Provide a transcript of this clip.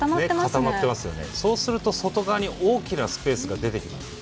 そうすると外側に大きなスペースが出てきます。